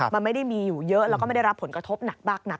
มันไม่ได้มีอยู่เยอะแล้วก็ไม่ได้รับผลกระทบหนักมากนัก